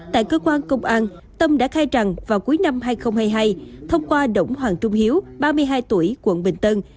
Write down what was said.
tại cơ quan công an tâm đã khai rằng vào cuối năm hai nghìn hai mươi hai thông qua đỗng hoàng trung hiếu ba mươi hai tuổi quận bình tân